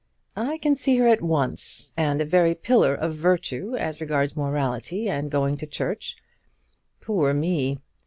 "I can see her at once; and a very pillar of virtue as regards morality and going to church. Poor me!